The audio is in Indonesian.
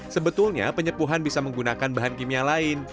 sebetulnya penyepuhan bisa menggunakan bahan kimia lain